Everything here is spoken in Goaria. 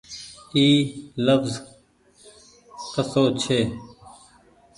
اي لڦز ڪسو ڇي۔